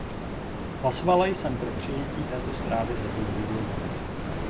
Hlasovala jsem pro přijetí této zprávy ze dvou důvodů.